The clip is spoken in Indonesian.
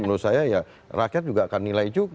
menurut saya ya rakyat juga akan nilai juga